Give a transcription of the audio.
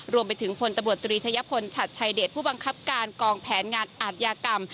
รวมไปถึงพพทชศชัดชายเดชปฯผู้บังคับการกองแผนงานอาธิกรรม